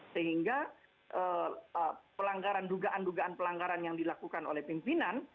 sehingga pelanggaran dugaan dugaan pelanggaran yang dilakukan oleh pimpinan